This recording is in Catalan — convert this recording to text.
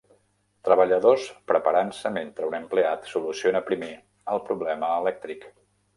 Treballadors preparant-se mentre un empleat soluciona primer el problema elèctric.